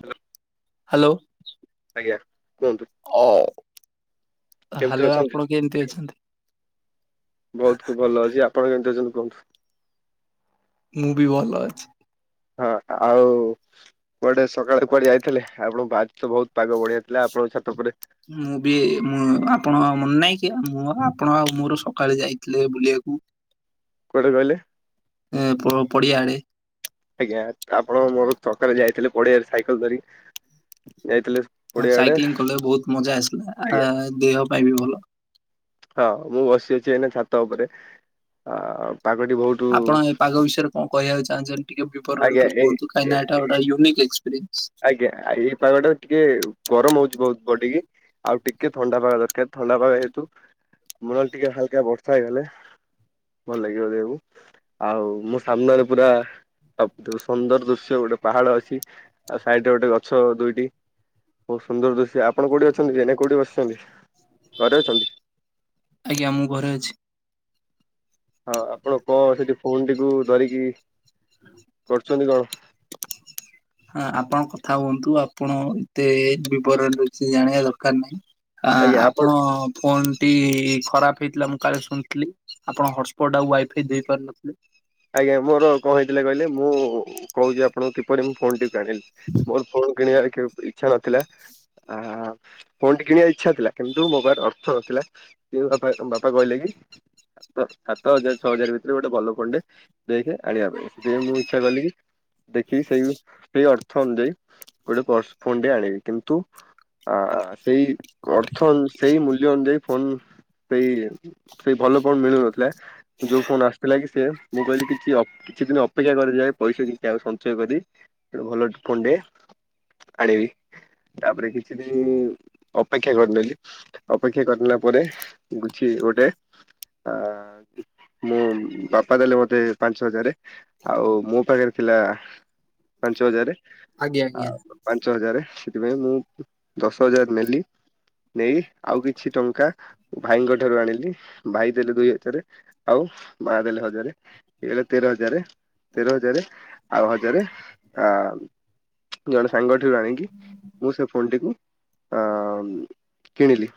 Hello hello ଆଜ୍ଞା କୁହନ୍ତୁ ଅ ଓ କେମିତି ହାଲୋ ଅଛନ୍ତି? ଆପଣ କେମତି ଅଛନ୍ତି? ବହୁତ ଖୁବ ଭଲ ଅଛି ଆପଣ କେନ୍ତି ଅଛନ୍ତି କୁହନ୍ତୁ? ମୁଁ ବି ଭଲ ଅଛି। ହଁ ଆଉ କୁଆଡ଼େ ସକାଳେ କୁଆଡ଼େ ଯାଇଥିଲେ ଆପଣଙ୍କ ବାରି ତ ବହୁତ ପାଗ ବଢ଼ିଆ ଥିଲା ଆପଣଙ୍କ ଛାତ ଉପରେ। ମୁଁ ବି ମୁଁ ଆପଣ ମନେ ନାଇଁ କି ମୁଁ ଆପଣ ଆଉ ମୋର ସକାଳେ ଯାଇଥିଲେ ବୁଲେଏ ବାକୁ। କୁଆଡ଼େ କହିଲେ? ଏ ପ ପଡିଆଡେ। ଆଜ୍ଞା ଆପଣ ମୋର ଚକାରେ ଯାଇଥିଲେ ପଡିଆରେ ସାଇକେଲ ଧରିକି ଯାଇଥିଲେ। ହଁ ପଡିଆ ଆଡେ ସାଇକ୍ଲିଂ କଲେ ବୋହୁତ ମଜା ଆସିଲା ଆ ଆଜ୍ଞା ଦେହ ପାଇଁ ବି ଭଲ। ହଁ ମୁଁ ବସି ଅଛି ଏନା ଛାତ ଉପରେ ଆ ପାଗଟି ବୋହୁତ ଆପଣ ଏ ପାଗ ବିଷୟରେ କଣ କହିବାକୁ ଚାହୁଁଛନ୍ତି? ଟିକେ ବିବରଣୀ ଆଜ୍ଞା ରେ ଏଇ କୁହନ୍ତୁ କାହିଁକି ଏ ନା ଏଟା ଉନିକ୍ ଏକ୍ସପରେ। ଆଜ୍ଞା ଆ ଏଇ ପାଗଟା ଟିକେ ଗରମ ହଉଛି ବୋହୁତ ବଡିକି। ଆଉ ଟିକେ ଥଣ୍ଡା ପାଗ ଦରକାର ଥଣ୍ଡା ପାଗ ଯେହେତୁ ମନ ଟିକେ ହାଲକା ବର୍ଷା ହେଇଗଲେ ଭଲ ଲାଗିବ ଦେହକୁ। ଆଉ ମୋ ସାମ୍ନାରେ ପୁରା ସୁନ୍ଦର ଦୃଶ୍ୟ ଗୋଟେ ପାହାଡ ଅଛି। ଆଉ ସାଇଟ ରେ ଗୋଟେ ଗଛ ଦୁଇଟି ବୋହୁତ ସୁନ୍ଦର ଦୃଶ୍ୟ ଆପ ଆପଣ କଉଠି ଅଛନ୍ତି ଯେନେ କଉଠି ବସିଛନ୍ତି ଘରେ ଅଛନ୍ତି। ଆଜ୍ଞା ମୁଁ ଘରେ ଅଛି। ହଁ ଆପଣ କଣ ସେଠି ଫୋନଟିକୁ ଧରିକି କରୁଛନ୍ତି କଣ? ହଁ ଆପଣ କଥା ହୁଅନ୍ତୁ ଆପଣ ଏତେ ବିବରଣ କିଛି ଜାଣିବା ଦରକାର ନାହିଁ। ହା ଆପଣ ଫୋନ ଟି ଖରାପ ହେଇଥିଲା ମୁଁ କାଳେ ଶୁଣିଥିଲି। ଆପଣ ହଟସ୍ପଟ ଆଉ ୱାଇଫାଇ ଦେଇପାରୁିନଥିଲେ। ଆଜ୍ଞା ମୋର କଣ ହେଇଥିଲେ କହିଲେ ମୁଁ କହୁଛି। ଆପଣ କିପରି ମୁଁ ଫୋନ୍ ଟିକୁ ଆଣିଲି। ମୋର ଫୋନ୍ କିଣିବାର କେବେ ଇଚ୍ଛା ନଥିଲା। ଆ ଫୋନ ଟି କିଣିବା ଇଚ୍ଛା ଥିଲା। କିନ୍ତୁ ମୋ ପାଖରେ ଅର୍ଥ ନଥିଲା କିନ୍ତୁ ବାପା ବାପା କହିଲେ କି ତ ସାତ ହଜାର ଛଅ ହଜାର ଭିତରେ ଗୋଟେ ଭଲ ଫୋନଟେ ଦେଖେ ଆଣିବା ପାଇଁ ଯେ ମୁଁ ଇଚ୍ଛା କଲି କି ଦେଖିକି ସେଇ ସେଇ ଅର୍ଥ ଅନୁଯାୟୀ ଗୋଟେ ପର୍ସ ଫୋନ ଆଣିବି। କିନ୍ତୁ ଆ ସେଇ ଅର୍ଥ ସେଇ ମୂଲ୍ୟ ଅନୁଯାୟୀ ଫୋନ ସେଇ ସେଇ ଭଲ ଫୋନ ମିଳୁନଥିଲା। ଯୋଉ ଫୋନ ଆସିଥିଲା କି ସେ ମୁଁ କହିଲି କିଛି କିଛି ଦିନ ଅପେକ୍ଷା କରିଯାଏ। ପଇସା କିଛି ଆଉ ସଞ୍ଚୟ କରି ଭଲ ଫୋନଟେ ଆଣୀବି। ତାପରେ କିଛି ଦିନ ଅପେକ୍ଷା କରିନେଲି। ଅପେକ୍ଷା କରିିନେଲା ପରେ ଗୁଛି ଗୋଟେ ଆ ମୁଁ ବାପ ପା ଦେଲେ ମତେ ପାଞ୍ଚ ହଜାରେ ଆଉ ମୋ ପାଖରେ ଥିଲା ପାଞ୍ଚ ହଜାରେ ଆଜ୍ଞା ଆଜ୍ଞା ଆଉ ପାଞ୍ଚ ହଜାରେ ସେଥିପାଇଁ ମୁଁ ଦଶ ହଜାର ନେଲି ନେଇ ଆଉ କିଛି ଟଙ୍କା ଭାଇଙ୍କ ଠାରୁ ଆଣିଲି। ଭାଇ ଦେଲେ ଦୁଇ ହଜାର ଆଉ ମା ଦେଲେ ହ ଜାରେ ହେଇଗଲା ତେର ହଜାରେ ତେର ହଜାରେ ଆଉ ହଜାରେ ଆ ଜଣେ ସାଙ୍ଗଠାରୁ ଆଣିକି ମୁଁ ସେ ଫୋନଟିକୁ ଅ କିଣିଲି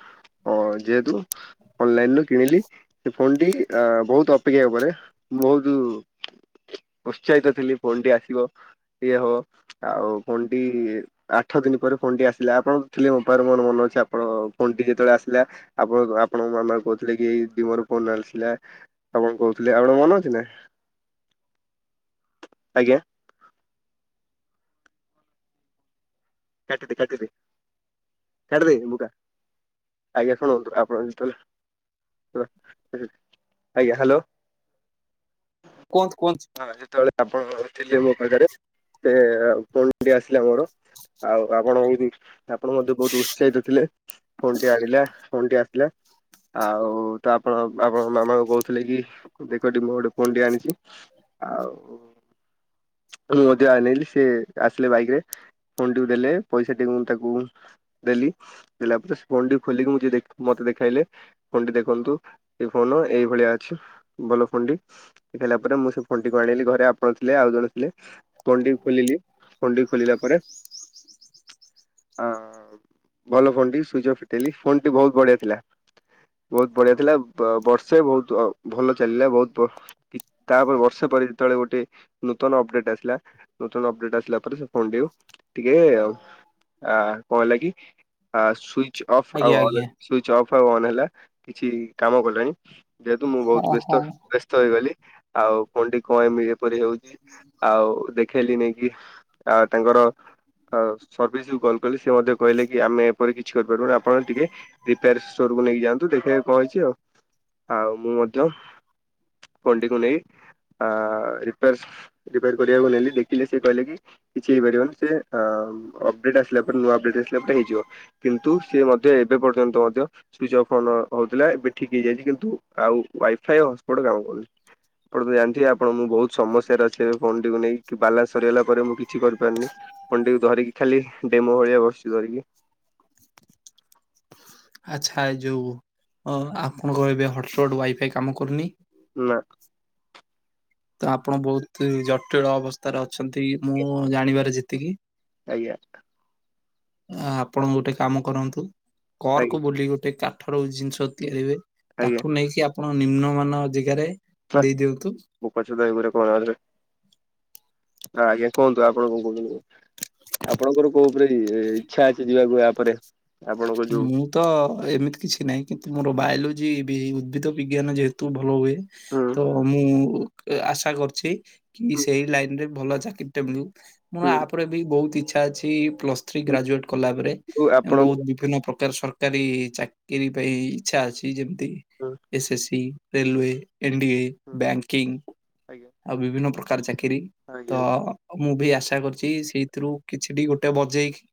ଅ ଯେହେତୁ ଅନଲାଇନ ରୁ କିଣିଲି ସେ ଫୋନ ଟି ବୋହୁତ ଅପେକ୍ଷା ଉପରେ ବୋହୁତ ଉତ୍ସାହିତ ଥିଲି ଫୋନ ଟି ଆସିବ ଇଏ ହବ। ଆଉ ଫୋନ୍ ଟି ଆଠ ଦିନ ପରେ ଫୋନ ଟି ଆସିଲା। ଆପଣ ଥିଲେ ମୋ ପାଖରେ ମୋର ମନ ଅଛି। ଆପଣ ଫୋନଟି ଯେତେବେଳେ ଆସିଲା ଆପଣ ଆପଣଙ୍କ ମାମା କହୁଥିଲେ କି ଏଇ ଡିମର ଫୋନ ଆସିଲା ଆପଣ କହୁଥିଲେ ଆଉ ତମ ମନ ଅଛି ନା ଆଜ୍ଞା। କାଟିଦେ କାଟିଦେ କାଟିଦେ ବୁରା। ଆଜ୍ଞା ଶୁଣନ୍ତୁ ଆପଣ ଯେଲେ ଆଜ୍ଞା ହ୍ୟାଲୋ। [unintelligible] କୁହନ୍ତ କୁହନ୍ତୁ। ହଁ ଯେତେବେଳେ ଆପଣ ଥିଲେ ମୋ ପାଖରେ। ସେ ପୁଣି ଆସିଲେ ମୋର ଆଉ ଆପଣ କୋଉ। ଆପଣ ମଧ୍ୟ ବହୁତ ଉତ୍ସାହିତ ଥିଲେ ଫୋନ ଟି ଆଣିଲା ଫୋନ ଟି ଆସିଲା ଆଉ। ତ ଆପଣ ଆପଣଙ୍କ ମାମାଙ୍କୁ କହୁଥିଲେ କି ଦେଖଟି ମୁଁ ଗୋଟେ ଫୋନଟି ଆଣିଛି। ଆଉ ମୁଁ ମଧ୍ୟ ନେଲିି ସେି ଆସିଲେ ବାଇକ ରେ। ଫୋନଟିକୁ ଦେଲେ ପଇସା ଟିକୁ ମୁ ତାକୁ। ଦେଲି ଦେଲା ପରେ ଫୋନ ଖୋଲିକି ମୁଁ ଯ ମତେ ଦେଖାଇଲେ। ଫୋନ ଟି ଦେଖନ୍ତୁ ଏ ଫୋନ ଏଇଭଳିଆ ଅଛି ଭଲ ଫୋନଟି ଦେଲା। ତା ପରେ ମୁଁ ସେ ଫୋନଟିକୁ ଆଣିଲି ଘରେ ଆପଣ ଥିଲେ ଆଉ ଜଣ ଥିଲେ। ଫୋନଟିକୁ ଖୋଲିଲି ଫୋନଟିକୁ ଖୋଲିଲା ପରେ। ହଁ ଭଲ ଫୋନ ଟି ସୁଇଜିଅଫ ଫିଟାଇଲି ଫୋନ ଟି ବହୁତ ବଢିଆ ଥିଲା। ବହୁତ ବଢିଆ ଥିଲା ବର୍ଷେ ବହୁତ ଭଲ ଚାଲିଲା ବହୁତ। ଠିକ୍। ତାପରେ ବର୍ଷେ ପରେ ଯେତେବେଳେ ଗୋଟେ ନୂତନ ଅପଡେଟ ଆସିଲା ନୂତନ ଅପଡେଟ ଆସିଲା ପରେ ସେ ଫୋନ ଟିକୁ। ଟିକେ ଆଉ ଆ କଣ ହେଲା କି ସୁଇ। ସୁଇଚଅଫ ଆଉ ଆଜ୍ଞା ଅନ ଆଜ୍ଞା। ହେଲା ଆଉ ହେଲା କିଛି କାମ କଲାନି। ଯେହେତୁ ମୁଁ ବହୁତ ହଁ ବ୍ୟସ୍ତ ହଁ ବ୍ୟସ୍ତ ହେଇଗଲି ଆଉ ଫୋନ୍ ଟି କଣ ଏମିତି। ପରି ହଉଛି ଆଉ ଦେଖ। ଖେଳି ନେଇକି ଆ ତାଙ୍କର ସର୍ଭିସ ଗଲ। କ ସେ ମଧ୍ୟ କହିଲେ କି ଆମେ ଏପରି କିଛି କରିପାରିବୁନି ଆପଣ ଟିକେ ରିପୋରୋ ଷ୍ଟୋରକୁ ନେଇକ ଯାଆନ୍ତୁ। ତୁ ଦେଖିବାକୁ କଣ ହେଇଛି ଆଉ ଆଉ ମୁଁ ମଧ୍ୟ। ଫୋନଟିକୁ ନେଇ ରପେ ରିପୋର କରିବାକୁ ନେଲି ଦେଖିଲି ସେ କହିଲେ କି। କିଛି ହେଇପାରିବ ନାି ସେ ଅପଡେଟ ଆସିଲା ପରେ ନୂଆ ଅପଡେଟ ଆସିଲା ପରେ ହେଇଯିବ। କିନ୍ତୁ ସିଏ ମଧ୍ୟ ଏବେ ପର୍ଯ୍ୟନ୍ତ ମଧ୍ୟ। ସୁଇଚ୍ ଅଫ୍ ଅନ ହେଉଥିଲା ଏବେ ଠିକ ହେଇଯାଇଛି କିନ୍ତୁ ଆଉ ୱାଇଫାଇ ହଟସ୍ପଟ୍ କାମ କରୁଛି। ଆପଣ ତ ଜାଣିଥିବ ଆପଣଁ ବହୁତ ସମସ୍ୟାରେ ଅଛି ଏବେ ଫୋନ ଟିକୁ ନେଇ। କି ବାଲାନ୍ସ ସରିଗଲା ପରେ ମୁଁ କିଛି କରିପାରୁିନି ଫୋନଟିକୁ ଧରିକି ଖାଲି ଡେମୋ ଭଳିଆ ବସିଛି ଧରିକି। ଆଚ୍ଛା ଏ ଯୋଉ ଆପଣଙ୍କ ଏବେ ହଟସ୍ପଟ୍ ୱାଇଫାଇ କାମ କରୁନି। ନା। ତ ଆପଣ ବହୁତ ଜଟିଳ ଅବସ୍ଥାରେ ଅଛନ୍ତି ମୁଁ ଜାଣିବାରେ ଯେତିକି। ଆଜ୍ଞା। ଆପଣ ଗୋଟେ କାମ କରନ୍ତୁ ଆଜ୍ଞା କରକ ବୋଲି ଗୋଟେ। କାଠର ଜିନିଷ ତିଆରି ହୁଏ ଆଜ୍ଞା ତାକୁ ନେଇକି ଆପଣ ନିମ୍ନମାନାନ ଜାଗାରେ ଦେଇ ଦିଅନ୍ତୁ। ମୁପଞ୍ଚ ସୁଦାଇ ବରେ କଣ ହେଲେ। ହଁ ଆଜ୍ଞା କୁହନ୍ତୁ ଆପଣ କଣ କହୁଛନ୍ତି। ଆପଣଙ୍କର କୋଉ ଉପରେ ଇଛା ଅଛି ଯିବାକୁ ୟା ପରେ। ଆପଣଙ୍କ ଯୋଉ ମୁଁ ତ ଏମିତି କିଛି ନାହିଁ କିନ୍ତୁ ମୋର ବାୟୋଲୋଜି ବି ଉଦ୍ଭିଦ ବିଜ୍ଞାନ ଯେହେତୁ ଭଲ ହୁଏ। ତ ମୁଁ ଆଶା କରୁଛି କି ସେଇ ଲାଇନ ରେ। ଭଲ ଅଛି କେତେ ବ୍ଲୁ ଆପରେ ଇଚ୍ଛା ଅଛି ପ୍ଲସତ୍ରୀ। ପ୍ଲସତ୍ରୀ କିନ୍ତୁ ଗ୍ରାଜୁଏଟ କଲା ପରେ ଆପଣ ବହୁ। ବିଭିନ୍ନ ପ୍ରକାର ସରକାରୀ ଚାକିରି ପାଇଁ ଇଚ୍ଛା ଅଛି ଯେମିତି SSC. Railway NDA banking ଆଜ୍ଞା। ଆଉ ବିଭିନ୍ନ ପ୍ରକାର ଚାକିରୀ। ତ ଆଜ୍ଞା ମୁଁ ବି ଆଶା କରୁଛି ସେଇଥିରୁ କିଛିଟି ଗୋଟେ ବଜେଇକି।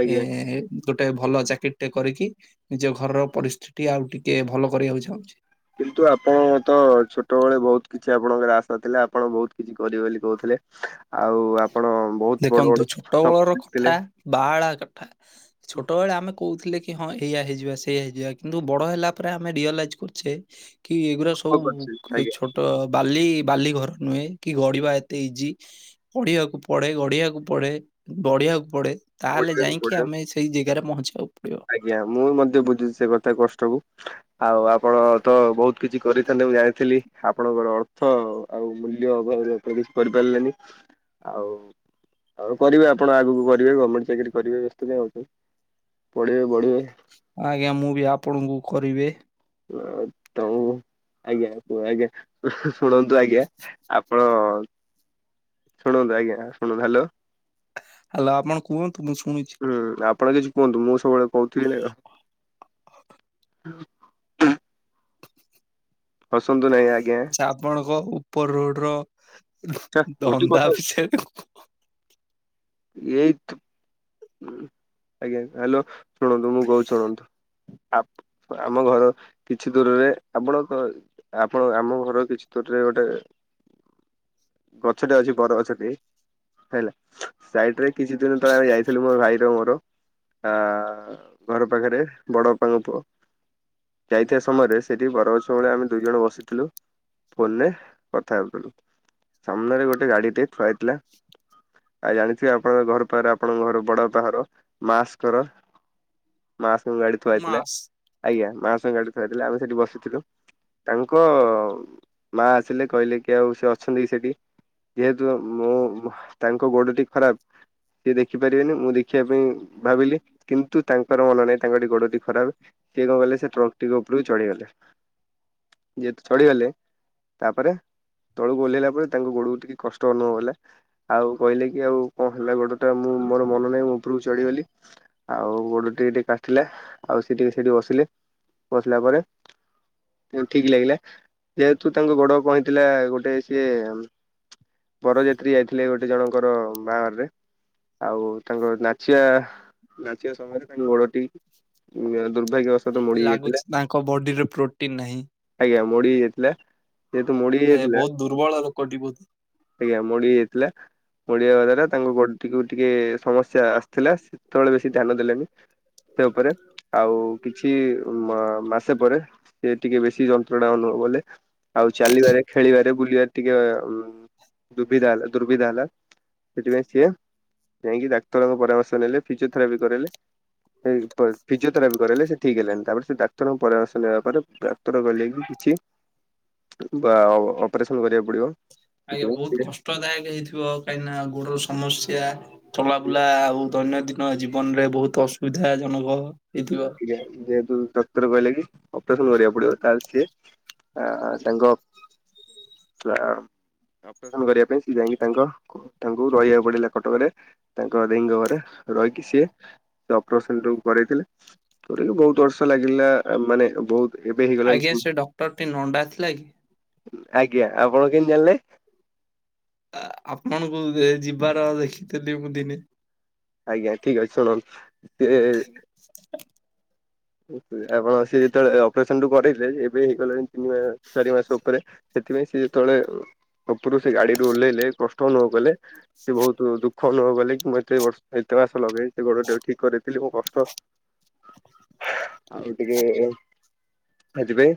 ଆଜ୍ଞା ଏ ଗୋଟେ। ଭଲ ଜ୍ୟାକେଟ ଟେ କରିକି ନିଜ ଘରର ପରିସ୍ଥିତି ଆଉ ଟିକେ ଭଲ କରିବାକୁ ଚାହୁଁଛି। କିନ୍ତୁ ଆପଣ ତ ଛୋଟବେେଳେ ବହୁତ କିଛି ଆପଣଙ୍କର ଆଶା ଥିଲା ଆପଣ ବହୁତ କିଛି କରିବେ ବୋଲି କହୁଥିଲେ। ଆଉ ଆପଣ ବହୁତ ବଡ଼ ଦେଖନ୍ତୁ ବଡ଼ପ ଛୋଟବେଳର ଦେଖଥିଲେ। [unintelligible] ଛୋଟବେଳେ ଆମେ କହୁଥିଲେ କି ହଁ ଏଇଆ ହେଇଯିବା ସେଇଆ ହେଇଯିବା କିନ୍ତୁ ବଡ଼ ହେଲା ପରେ ଆମେ ରିଅଲାଇଜ୍ କରୁଛେ କି ଏଗା ସବୁ ଆଜ୍ଞା ଛୋଟ ବାଲି ବାଲି ଘର ନୁହେଁ କି ଗଡିବା ଏତେ ଇଜି ପଢିବାକୁ ପଡେ ଗଢିବାକୁ ପଡେ ବଢିବାକୁ ପଡେ ତାହେଲେ ପଢିବାକୁ ଯାଇକି ପଡିବ ଆମେ ସେଇ ଜାଗାରେ ପହଞ୍ଚିବାକୁ ପଡିବ। ଆଜ୍ଞା ମୁଁ ମଧ୍ୟ ବୁଝୁଛି ସେ କଥା କଷ୍ଟ କୁ। ଆଉ ଆପଣ ତ ବହୁତ କିଛି କରିଥାନ୍ତେ ମୁଁ ଜାଣିଥିଲି ଆପଣଙ୍କର ଅର୍ଥ ଆଉ ମୂଲ୍ୟ କରିପାରିଲେନି ଆଉ ଆଉ କରିବେ ଆପଣ ଆଗକୁ କରିବେ ଗର୍ମେଣ୍ଟ ଚାକିରି କରିବେ ବ୍ୟସ୍ତ ପାଇଁ ଆ ହଉଛି। ପଢ଼ିବ ବଢ଼ିବ ଆଜ୍ଞା ମୁଁ ବି ଆପଣଙ୍କୁ କରିବେ। ଆ ତଉ ଆଜ୍ଞାୁହ ଆଜ୍ଞା ଶୁଣନ୍ତୁ ଆଜ୍ଞା ଆପଣ ଶୁଣନ୍ତୁ ଆଜ୍ଞା ଶୁଣନ୍ତୁ ହଲୋ। ହ୍ୟାଲୋ ଆପଣ କୁହନ୍ତୁ ମୁଁ ଶୁଣିଛି। ହୁଁ ଆପଣ କିଛି କୁହନ୍ତୁ ମୁଁ ସବୁବେଳେ କହୁଥିବି ନା କଣ? ହସନ୍ତୁ ନାଇଁ ଆଜ୍ଞା। ଆଚ୍ଛା ଆପଣଙ୍କ ଉପର ରୋଡ ର ଛା ଗୋଟେ ଧନ୍ଦା କଥା ବିଷୟରେ। ଏ ଆଜ୍ଞା ହ୍ୟାଲୋ। [unintelligible] ଶୁଣନ୍ତୁ ମୁଁ କହୁ ଶୁଣନ୍ତୁ। ଆ ଆମ ଘର କିଛି ଦୂରରେ ଆପଣ ଆପଣ ଆମ ଘର କିଛି ଦୂରରେ ଗୋଟେ ଗଛ ଟେ ଅଛି ବର ଗଛଟି ହେଲା। ସାଇଡ ରେ କିଛି ଦିନ ତଳେ, ଆମେ ଯାଇ ମୋ ଭାଇର ମୋର, ଆ ଘର ପାଖରେ ବଡ ବାପାଙ୍କ ପୁଅ। ଯାଇଥିବା ସମୟରେ ସେଇଠି ବର ଗଛ ବଳେ ଆମେ ଦୁଇ ଜଣ ବସିଥିଲୁ। ଫୋନ ରେ କଥା ହଉଥିଲୁ। ସାମ୍ନାରେ ଗୋଟେ ଗାଡି ଟେ ଥୁଆ ହେଇଥିଲା। ଆଉ ଜାଣିଥିବେ ଆପଣଙ୍କ ଘର ପାଖରେ ଆପଣଙ୍କ ଘର ବଡ ପାଘର ମାସଙ୍କର ମାସଙ୍କ ଗାଡି ଥୁଆଇଥିଲା। ମାସ୍ ଆଜ୍ଞା, ମାସ ଗାଡ଼ି ଥୁଆ ହେଇଥିଲା ଥିଲେ ଆମେ ସେଠି ବସିଥିଲୁ। ତାଙ୍କ ମା ଆସିଲେ କହିଲେ କି, ଆଉ ସେ ଅଛନ୍ତି କି ସେଠି। ଯେହେତୁ ମୁଁ ତାଙ୍କ ଗୋଡଟିିକ ଖରାପ। ସିଏ ଦେଖି ପାରିବେନି ମୁଁ ଦେଖିବା ପାଇଁ ଭାବିଲି କିନ୍ତୁ ତାଙ୍କର ମନ ନାହିଁ ତାଙ୍କଠ ଗୋଡଟି ଖରାପ। ସିଏ କଣ କଲେ ସେ ଟ୍ରକ୍ ଟିକ ଉପରକୁ ଚଢିଗଲେ। ଯେହେତୁ ଚଢିଗଲେ ତାପରେ ତଳକୁ ଓହ୍ଲାଇଲା ପରେ ତାଙ୍କ ଗୋଡକୁ ଟିକେ କଷ୍ଟ ଅନୁଭବ ହେଲା। ଆଉ କହିଲେ କି ଆଉ କଣ ହେଲା ଗୋଡ ଟା ମୁଁ ମୋର ମନ ନାହିଁ ମୁଁ ଉପରକୁ ଚ଼ଢିଗଲି। ଆଉ ଗୋଡ ଟିକେ ଟିକେ କାଟିଲା। ଆଉ ସେ ଟିକେ ସେଇଠି ବସିଲେ। ବସିଲା ପରେ ହ ଠିକ ଲାଗିଲା। ଯେହେତୁ ତାଙ୍କ ଗୋଡ କଣ ହେଇଥିଲା? ଗୋଟେ ସିଏ ବରଯାତ୍ରୀ ଯାଇଥିଲେ ଗୋଟେ ଜଣଙ୍କର ବାହାଘରରେ। ଆଉ ତାଙ୍କ ନାଚିବା ନାଚିବା ସମୟରେ ତାଙ୍କ ଗୋଡଟି ଉ ଦୁର୍ଭାଗ୍ୟ ଅସ୍ତ ମୋଡି ହୋଇ ଲାଗୁଛି ଯାଇଥିଲା। ତାଙ୍କ ବଡିରେ ପ୍ରୋଟିନ ନାହିଁ। ଆଜ୍ଞା ମୋଡି ହେଇଯାଇଥିଲା ମୋଡି ହେ ହେଇଯାଇଥିଲା ବହୁତ ଦୁର୍ବଳ ଲୋକଟି ବହୁତ ଆଜ୍ଞା ମୋଡିହେଇଯାଇଥିଲା ମୋଡି ହବା ଦ୍ଵାରା ତାଙ୍କ ଗୋଡ ଟିକେ ଟିକେ ସମସ୍ୟା ଆସିଥିଲା ସେତେବେଳେ ବେଶୀ ଧ୍ୟାନ ଦେଲେନି ତା ପରେ ଆଉ କିଛି ମାସେ ପରେ ସେ ଟିକେ ବେଶୀ ଯନ୍ତ୍ରଣା ଅନୁଭବ କଲେ ଆଉ ଚାଲିବାରେ ଖେଳିବାରେ ବୁଲିବାରେ ଟିକେ ଦୁର୍ବିଧା ହେଲା ଦୁର୍ବିଧା ହେଲା ସେଥିପାଇଁ ସିଏ ଯାଇକି ଡାକ୍ତରଙ୍କ ପରାମର୍ଶ ନେଲେ ଫିଜିଓଥେରାପି କରାଇଲେ ଫିଜିଓଥେରାପି କରାଇଲେ ସେ ଠିକ ହେଲାନି ତାପରେ ସେ ଡାକ୍ତରଙ୍କ ପରାମର୍ଶ ନବା ପରେ ଡାକ୍ତର କହିଲେ କିଛି ବା ଅପରେସନ କରିବାକୁ ପଡିବ ଆଜ୍ଞା ସେଥିପାଇଁ ସେ ବହୁତ କଷ୍ଟଦାୟକ ହେଇଥିବ କାହିଁକି ନା ଗୋଡର ସମସ୍ୟା ଚଲାବୁଲା ଆଉ ଦୈନନ୍ଦିନ ଜୀବନ ରେ ବହୁତ ଅସୁବିଧା ଜନକ ହେଇଥିବ ଯେହେତୁ ଡ଼ାକ୍ତର କହିଲା କି ଅପରେସନ କରିବାକୁ ପଡିବ ତାହେଲେ ସିଏ ଆ ତାଙ୍କ ଅପରେସନ କରିବା ପାଇଁ ସ ଯାଇକି ତାଙ୍କ [unintelligible] ତାଙ୍କୁ ରହିବାକୁ ପଡିଲା କଟକରେ ତାଙ୍କ ଦେଇଙ୍କ ଘରେ ରହିକି ସିଏ ସେ ଅପରେସନ ଯୋ କରେଇଥିଲେ ଥରିକ ବହୁତ ବର୍ଷ ଲାଗିଲା ମାନେ ବହୁତ ଏବେ ହେଇଗଲାଣି ଆଜ୍ଞା ସେ ଡକ୍ଟର ଟି ନଣ୍ଡା ଥିଲା କି? ଆଜ୍ଞା ଆପଣ କେମତି ଜାଣିଲେ? ଆପଣଙ୍କୁ ଯିବାର ଦେଖିଥିଲି ମୁଁ ଦିନେ ଆଜ୍ଞା ଠିକ ଅଛି ଶୁଣନ୍ତୁ ଆପଣ ସେ ଯେତେବେଳେ ଅପରେସନ ଟୁ କରେଇଲେ ଏବେ ହେଇଗଲେଣି ତିନି ମାସ ଚାରି ମାସ ଉପରେ ସେଥିପାଇଁ ସେ ଯେତେବେଳେ ଉପରୁ ସେ ଗାଡିରୁୁ ଓହ୍ଲେଇଲେ କଷ୍ଟ ଅନୁଭବ କଲେ ସେ ବହୁତ ଦୁଃଖ ଅନୁଭବ କଲେ କି ମତେ ଏ ବର୍ଷ ଏତେ ମାସ ଲଗେଇ ସେ ଗୋଡ ଟ ଠିକ୍ କରିଥିଲି ମୁଁ କଷ୍ଟ ଆଉ ଗ ଟିକେ ଖଜିବେ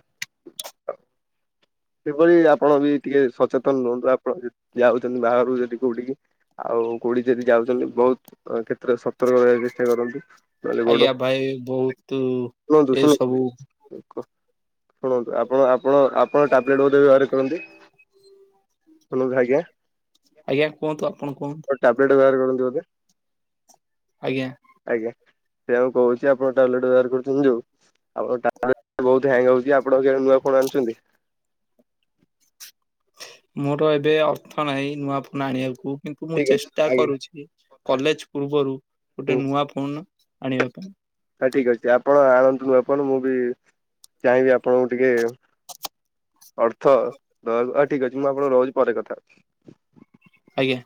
ସେଭଳି ଆପଣ ବି ଟିକେ ସଚେତନ ରୁହନ୍ତୁ ଆପଣ ଯାଉଛନ୍ତି ବାହାରୁ ଯଦି କୋଉଠିକି ଆଉ କୋଉଠିକି ଯଦି ଯାଉଛନ୍ତି ବହୁତ କ୍ଷେତ୍ରରେ ଶକ୍ ତର୍କକୁ ରହିବାକୁ ଚେଷ୍ଟା କରନ୍ତୁ ନହେଲେ ବଡ ଆଜ୍ଞା ଭାଇ ବହୁତ ଶୁଣନ୍ତୁ ଏଇ ସବୁ ଶୁଣନ୍ତୁ ଶୁଣନ୍ତୁ ଆପଣ ଆପଣ ଟଲେଟ ବୋଧ ବ୍ୟବହାର କରନ୍ତି ଆଜ୍ଞା ଆଜ୍ଞା କୁହନ୍ତୁ ଆପଣ କୁହନ୍ତୁ? [inaudible] ଆଜ୍ଞା। ଆଜ୍ଞା ସେୟା ମୁଁ କହୁଛି ଆପଣଙ୍କ ଟୟଲେଟ ବ୍ୟବହାର କରୁଛନ୍ତି ଯୋଉ ଆପଣଙ୍କ ବହୁତ ହେଙ୍ଗ ହଉଛି ଆପଣଙ୍କର ନୂଆ ଫୋନ ଆଣୁଛନ୍ତି? ମୋର ଏବେ ଅର୍ଥ ନାହିଁ ନୂଆ ଫୋନ ଆଣିବାକୁ କିନ୍ତୁ ମୁଁ ଠିକ ଅଛି ଚେଷ୍ଟା ଆଜ୍ଞା କରୁଛି କଲେଜ ପୂର୍ବରୁ ଗୋଟେ ନୂଆ ଫୋନ ଆଣିବା ପାଇଁ ହ ଠିକ ଅଛି ଆପଣ ଆଣନ୍ତୁ ଆପଣ ମୁଁ ବି ଚାହିଁବି ଆପଣଙ୍କୁ ଟିକେ ଅର୍ଥ ଦବାକୁ ଠିକ ଅଛି ମୁଁ ଆପଣ ରହିଲି ପରେ କଥା ହଉ। ଆଜ୍ଞା।